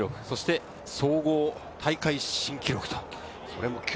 そして総合大会新記録です。